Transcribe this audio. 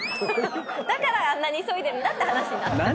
だからあんなに急いでるんだって話になった。